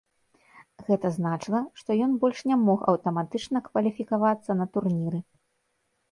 Гэта значыла, што ён больш не мог аўтаматычна кваліфікавацца на турніры.